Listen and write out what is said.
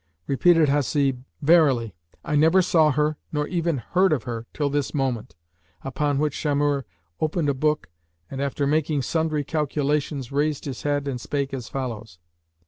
Repeated Hasib, "Verily, I never saw her nor even heard of her till this moment;" upon which Shamhur opened a book and, after making sundry calculations, raised his head and spake as follows.